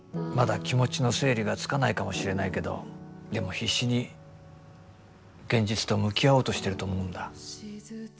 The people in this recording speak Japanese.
まだ気持ちの整理がつかないかもしれないけどでも必死に現実と向き合おうとしてると思うんだ。